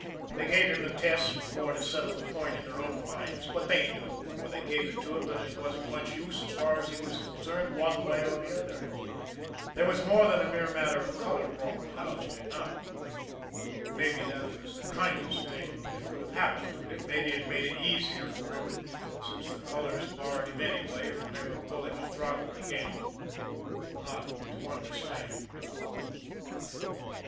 They gave him the test more to settle the point in their own minds, but they knew before they gave it to him that it wasn't much use as far as he was concerned one way or the other. There was more than a mere matter of color wrong with Owsley now. And maybe that was the kindest thing that could have happened to him, maybe it made it easier for him since the colors barred him anyway from ever pulling a throttle again not to understand!